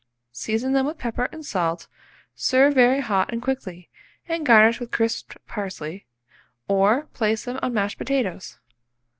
Season them with pepper and salt; serve very hot and quickly, and garnish with crisped parsley, or place them on mashed potatoes.